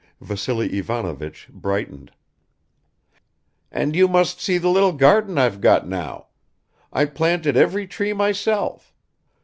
Vassily Ivanovich brightened. "And you must see the little garden I've got now. I planted every tree myself.